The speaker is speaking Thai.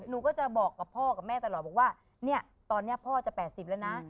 หนูก็จะบอกกับพ่อกับแม่ตลอดบอกว่าเนี่ยตอนนี้พ่อจะ๘๐แล้วนะ